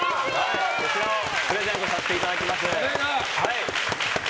こちらをプレゼントさせていただきます。